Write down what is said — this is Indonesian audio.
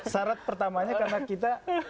sarat pertamanya karena kita